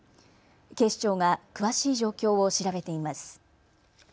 警視庁が詳しい状況を調べています。